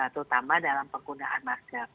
terutama dalam penggunaan masker